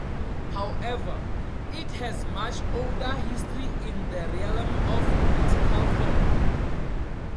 However, it has much older history in the realm of political thought.